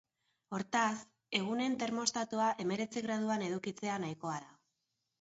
Hortaz, egunez termostatoa hemeretzi graduan edukitzea nahikoa da.